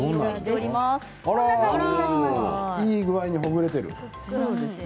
いい具合にほぐれている。